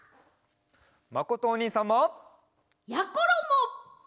まことおにいさんも！やころも！